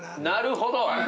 なるほど！